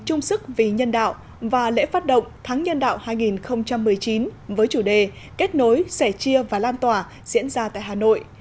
trung sức vì nhân đạo và lễ phát động tháng nhân đạo hai nghìn một mươi chín với chủ đề kết nối sẻ chia và lan tỏa diễn ra tại hà nội